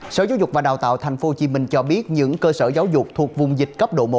sở giáo dục và đào tạo tp hcm cho biết những cơ sở giáo dục thuộc vùng dịch cấp độ một